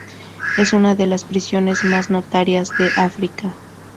Es una de las prisiones más notorias de África.